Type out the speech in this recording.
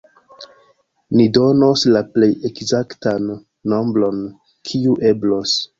Ni donos la plej ekzaktan nombron, kiu eblos.